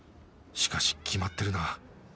しかし決まってるな